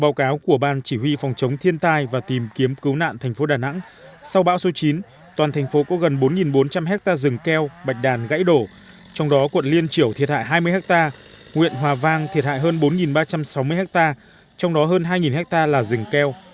báo cáo của ban chỉ huy phòng chống thiên tai và tìm kiếm cứu nạn thành phố đà nẵng sau bão số chín toàn thành phố có gần bốn bốn trăm linh hectare rừng keo bạch đàn gãy đổ trong đó quận liên triểu thiệt hại hai mươi ha huyện hòa vang thiệt hại hơn bốn ba trăm sáu mươi ha trong đó hơn hai hectare là rừng keo